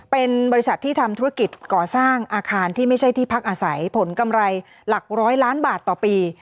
เป็นบริษัทที่ทำธุรกิจก่อสร้างอาคารที่ไม่ใช่ที่พักอาศัยผลกำไรหลักร้อยล้านบาทต่อปี